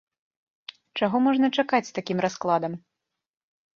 Чаго можна чакаць з такім раскладам?